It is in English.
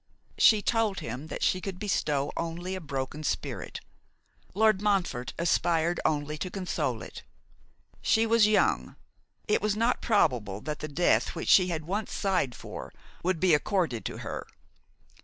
She told him that she could bestow only a broken spirit. Lord Montfort aspired only to console it. She was young. It was not probable that the death which she had once sighed for would be accorded to her.